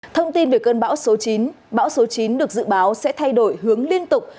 thông tin về cơn bão số chín bão số chín được dự báo sẽ thay đổi hướng liên tục